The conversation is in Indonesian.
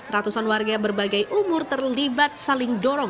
ratusan warga berbagai umur terlibat saling dorong